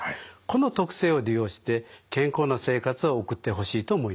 この特性を利用して健康な生活を送ってほしいと思います。